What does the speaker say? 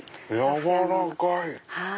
柔らかい！